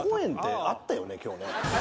今日ね。